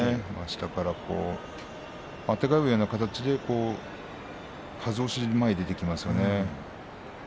下から、あてがうような形ではず押しで前に出ていきます。